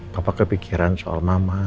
papa kepikiran soal mama